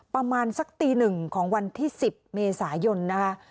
ประมาณสักตีหนึ่งของวันที่๑๐เมษายนนะคะ